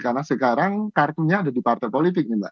karena sekarang kartunya ada di partai politik nih mbak